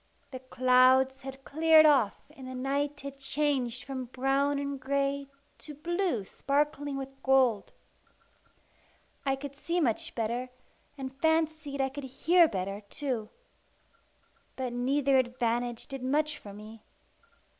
The clouds had cleared off, and the night had changed from brown and grey to blue sparkling with gold. I could see much better, and fancied I could hear better too. But neither advantage did much for me.